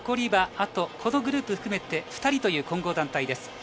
残りはこのグループ含めて２人という混合団体です。